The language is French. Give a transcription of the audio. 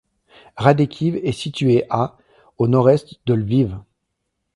Radekhiv est située à au nord-est de Lviv.